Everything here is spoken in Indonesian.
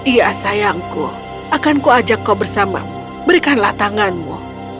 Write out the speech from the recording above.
iya sayangku akanku ajak kau bersamamu berikanlah tanganmu